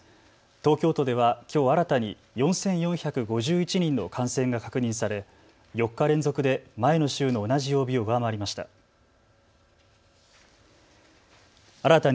東京都ではきょう新たに４４５１人の感染が確認され４日連続で前の週の同じ曜日を上回りました。